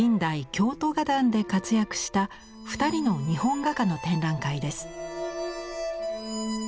京都画壇で活躍した２人の日本画家の展覧会です。